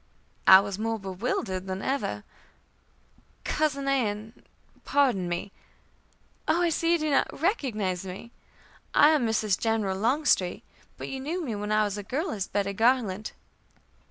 I was more bewildered than ever. "Cousin Ann[e]! Pardon me " "Oh, I see you do not recognize me. I am Mrs. General Longstreet, but you knew me when a girl as Bettie Garland."